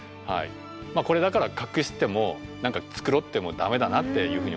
これだから隠しても繕ってもダメだなっていうふうに思ったんですよね。